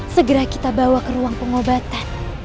segera kita bawa ke ruang pengobatan